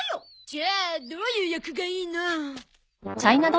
じゃあどういう役がいいの？